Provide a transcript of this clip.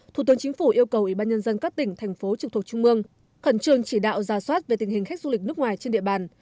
thủ tướng chính phủ yêu cầu ủy ban nhân dân các tỉnh thành phố trực thuộc trung mương khẩn trương chỉ đạo ra soát về tình hình khách du lịch nước ngoài trên địa bàn